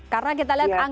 karena kita lihat